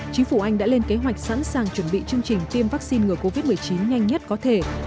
chính phủ anh đã lên kế hoạch sẵn sàng chuẩn bị chương trình tiêm vaccine ngừa covid một mươi chín nhanh nhất có thể